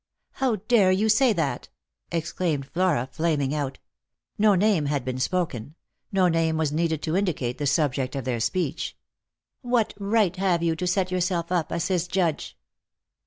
" How dare you say that ?" exclaimed Flora, flaming out. No name had been spoken — no name was needed to indicate 142 Lost for Love. the subject of their speech. "What right have you to set yourself up as his judge